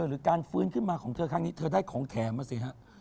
หรือการฟื้นขึ้นมาของเธอครั้งนี้เธอได้ของแถมมาสิฮะ